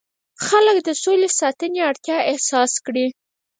خلک د سولې ساتنې اړتیا احساس کړي.